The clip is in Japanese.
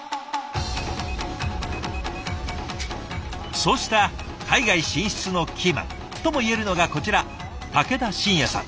そうした海外進出のキーマンともいえるのがこちら武田真哉さん。